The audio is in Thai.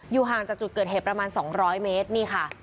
ห่างจากจุดเกิดเหตุประมาณ๒๐๐เมตรนี่ค่ะ